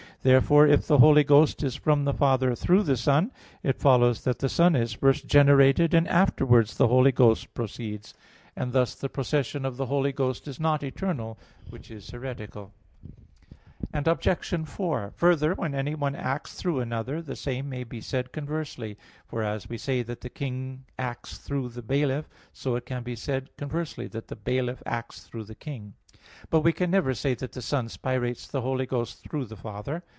Therefore if the Holy Ghost is from the Father through the Son, it follows that the Son is first generated and afterwards the Holy Ghost proceeds; and thus the procession of the Holy Ghost is not eternal, which is heretical. Obj. 4: Further, when anyone acts through another, the same may be said conversely. For as we say that the king acts through the bailiff, so it can be said conversely that the bailiff acts through the king. But we can never say that the Son spirates the Holy Ghost through the Father.